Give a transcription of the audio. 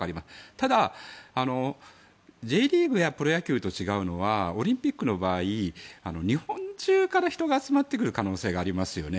ただＪリーグやプロ野球と違うのはオリンピックの場合日本中から人が集まってくる可能性がありますよね。